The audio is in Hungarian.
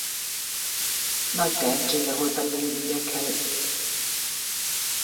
Nagy tehetsége volt a pénzügyekhez.